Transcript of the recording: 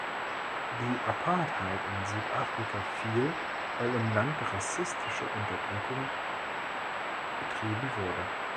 Die Apartheid in Südafrika fiel, weil im Land rassistische Unterdrückung betrieben wurde.